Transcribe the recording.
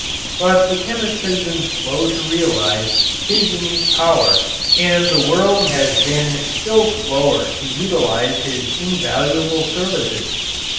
But the chemist has been slow to realize his unique power and the world has been still slower to utilize his invaluable services.